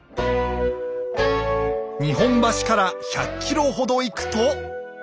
日本橋から１００ｋｍほど行くと。